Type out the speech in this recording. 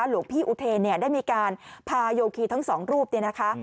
หลวงพี่อุเทนเนี่ยได้มีการพาโยคีทั้งสองรูปเนี่ยนะคะ